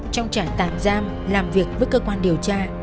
trong trại tạm giam làm việc với cơ quan điều tra